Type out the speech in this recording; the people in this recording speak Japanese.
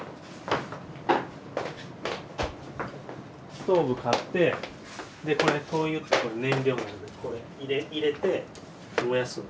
ストーブ買ってこれ灯油ってこれ燃料これ入れて燃やすの。